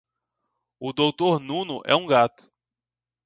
O Doutor Nuno é um gato